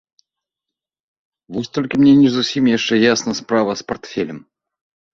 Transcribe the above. Вось толькі мне не зусім яшчэ ясна справа з партфелем.